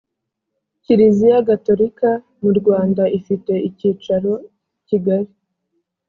kiliziya gatolika mu rwanda ifite icyicaro kigali